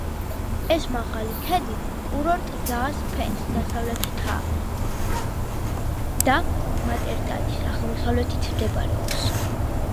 ეს მაღალი ქედი კურორტ ზაას-ფეეს დასავლეთითა და მატერტალის აღმოსავლეთით მდებარეობს.